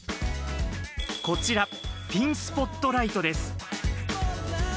こちら、ピンスポットライトです。